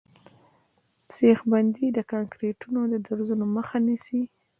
سیخ بندي د کانکریټو د درزونو مخه نیسي